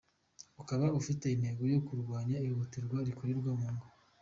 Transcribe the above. Ukaba ufite intego yo kurwanya ihohoterwa rikorerwa mu ngo.